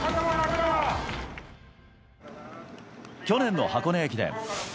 去年の箱根駅伝。